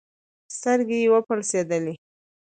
سترګي یې وپړسېدلې